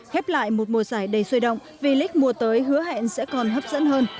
khép lại một mùa giải đầy xuôi động village mùa tới hứa hẹn sẽ còn hấp dẫn hơn